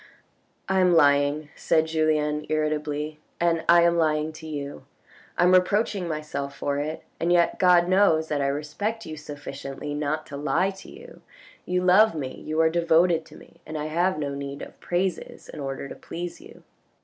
" I am lying," said Julien irritably, " and I am lying to you. I am reproaching myself for it, and yet God knows that I respect you sufficiently not to lie to you. You love me, you are devoted to me, and I have no need of praises in order to please you."